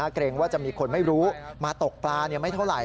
เกรงว่าจะมีคนไม่รู้มาตกปลาไม่เท่าไหร